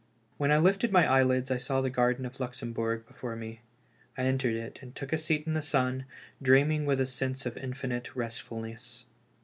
When I lifted my eyelids I saw the garden of the Luxembourg before me. I entered it, and took a seat in the sun, dreaming with a sense of infinite restful ness.